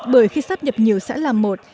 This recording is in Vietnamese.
bởi khi sắp nhập nhiều xã làm một